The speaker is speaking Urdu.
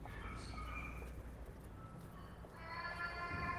لیکن آپ ہندسوں میں قیمت دیکھ سکتے ہیں